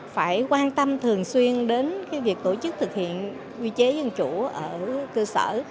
phải quan tâm thường xuyên đến việc tổ chức thực hiện quy chế dân chủ ở cơ sở